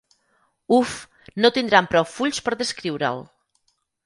Uf, no tindran prou fulls per descriure'l!